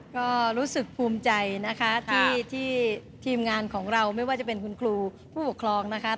ก็รู้สึกภูมิใจนะคะที่ทีมงานของเราไม่ว่าจะเป็นคุณครูผู้ปกครองนะคะ